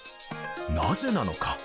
なぜなのか。